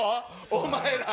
お前ら！